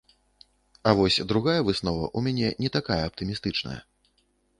А вось другая выснова ў мяне не такая аптымістычная.